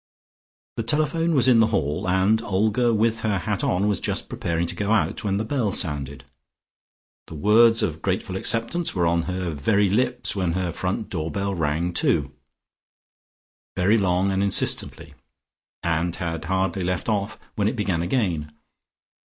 The telephone was in the hall, and Olga, with her hat on, was just preparing to go out, when the bell sounded. The words of grateful acceptance were on her very lips when her front door bell rang too, very long and insistently and had hardly left off when it began again.